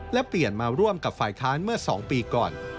และเปลี่ยนมาร่วมกับฝ่ายค้านเมื่อ๒ปีก่อน